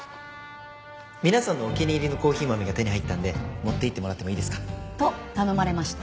皆さんのお気に入りのコーヒー豆が手に入ったんで持っていってもらってもいいですか？と頼まれました。